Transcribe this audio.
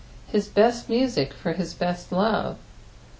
His beet music for his best love.